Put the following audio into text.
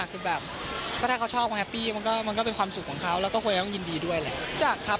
เราก็จะไปชอบกับใครก็ได้เหมือนกัน